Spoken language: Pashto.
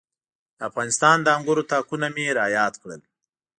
د افغانستان د انګورو تاکونه مې را یاد کړل.